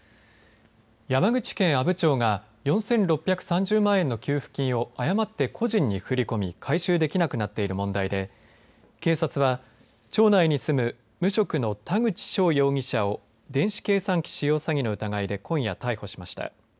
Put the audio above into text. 山口県阿武町が４６３０万円の給付金を誤って個人に振り込み回収できなくなっている問題で警察は、町内に住む無職の田口翔容疑者を電子計算機使用詐欺の疑いで今夜、逮捕しました。